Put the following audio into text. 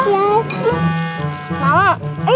boleh gua minta